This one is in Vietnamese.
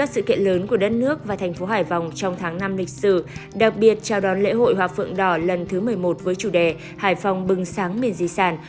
sự kiện lớn của đất nước và thành phố hải phòng trong tháng năm lịch sử đặc biệt chào đón lễ hội hoa phượng đỏ lần thứ một mươi một với chủ đề hải phòng bừng sáng miền di sản